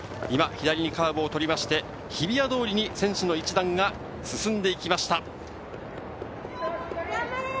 今、左にカーブをとりまして、日比谷通りに選手の一団が進んできました。